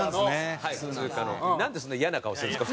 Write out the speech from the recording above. なんでそんな嫌な顔するんすか？